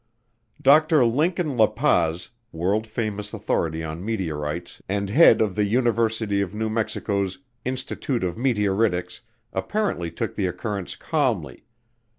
Dr. Lincoln La Paz, world famous authority on meteorites and head of the University of New Mexico's Institute of Meteoritics, apparently took the occurrence calmly.